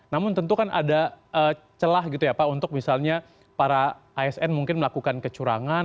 namun tentu kan ada celah gitu ya pak untuk misalnya para asn mungkin melakukan kecurangan